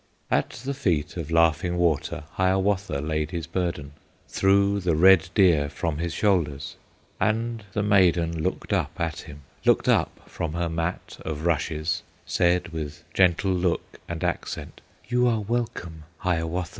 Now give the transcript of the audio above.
At the feet of Laughing Water Hiawatha laid his burden, Threw the red deer from his shoulders; And the maiden looked up at him, Looked up from her mat of rushes, Said with gentle look and accent, "You are welcome, Hiawatha!"